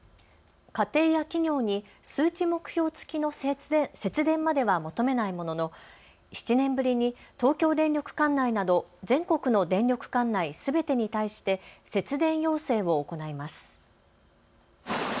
家庭や企業に数値目標付きの節電までは求めないものの７年ぶりに東京電力管内など全国の電力管内すべてに対して節電要請を行います。